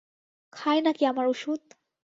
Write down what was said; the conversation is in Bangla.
খায় নাকি আমার ওষুধ?